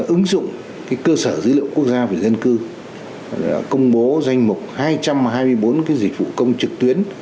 ứng dụng cơ sở dữ liệu quốc gia về dân cư công bố danh mục hai trăm hai mươi bốn dịch vụ công trực tuyến